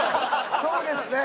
そうですね。